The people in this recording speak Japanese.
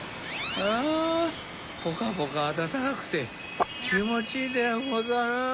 あぁポカポカあたたかくてきもちいいでござる。